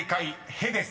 「へ」です］